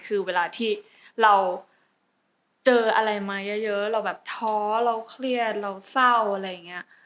คือเวลาที่เราเจออะไรมาเยอะเราแบบท้อเราเครียดเราเศร้าอะไรอย่างนี้